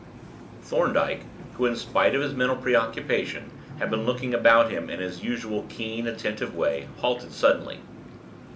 Thorndyke, who, in spite of his mental preoccupation, had been looking about him in his usual keen, attentive way, halted suddenly.